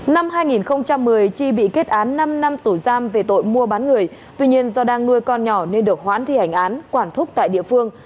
năm hai nghìn một mươi chi bị kết án năm năm tù giam về tội mua bán người tuy nhiên do đang nuôi con nhỏ nên được hoãn thi hành án quản thúc tại địa phương